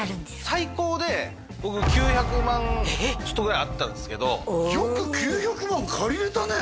最高で僕９００万ちょっとぐらいあったんですけどよく９００万借りれたね